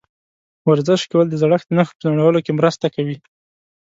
ورزش کول د زړښت د نښو په ځنډولو کې مرسته کوي.